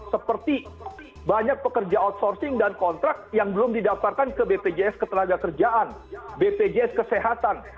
seperti banyak pekerja outsourcing dan kontrak yang belum didaftarkan ke bpjs ketenagakerjaan bpjs kesehatan